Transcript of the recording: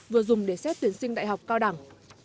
vừa dùng để xét tuyển sinh đại học cao đẳng